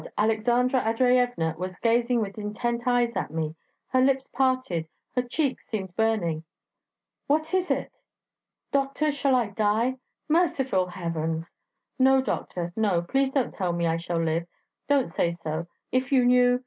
Aleksandra Andreyevna was gazing with intent eyes at me ... her lips parted, her cheeks seemed burning. 'What is it?' 'Doctor, shall I die?' 'Merciful Heavens!' 'No, doctor, no; please don't tell me I shall live ... don't say so... If you knew...